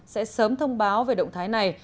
sẽ sớm thông báo về động thái này